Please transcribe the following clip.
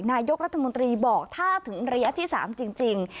นายกรัฐมนตรีบอกถ้าถึงระยะที่๓จริง